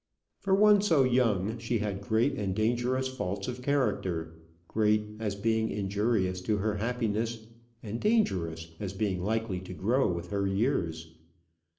For one so young, she had great and dangerous faults of character great, as being injurious to her happiness; and dangerous, as being likely to grow with her years.